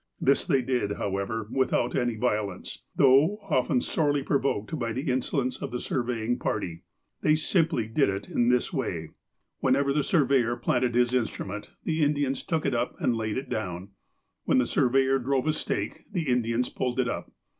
Tliis they did, however, without any violence, though often sorely provoked by the insolence of the surveying party. They simply did it in this way : THE LAST BLOW 283 "Whenever the surveyor planted his instrument, the Indians took it up, and laid it down. When the sur veyor drove a stake, the Indians pulled it up.